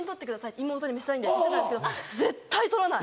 妹に見せたいんで」って言ってたんですけど絶対撮らない！